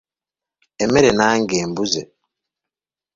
Emmere nange embuze.